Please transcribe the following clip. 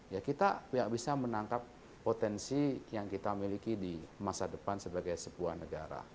ya kita bisa menangkap potensi yang kita miliki di masa depan sebagai sebuah negara